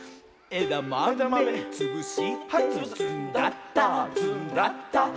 「えだまめつぶしてずんだったずんだった」